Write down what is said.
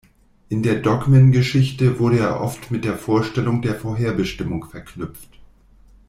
In der Dogmengeschichte wurde er oft mit der Vorstellung der „Vorherbestimmung“ verknüpft.